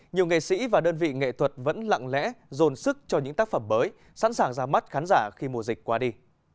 nhiều nghệ sĩ và đơn vị nghệ thuật vẫn lặng lẽ dồn sức cho những tác phẩm mới sẵn sàng ra mắt khán giả khi mùa dịch qua đi